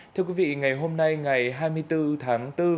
thưa quý vị ngày hôm nay ngày hai mươi bốn tháng bốn